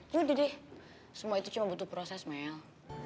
yaudah deh semua itu cuma butuh proses mel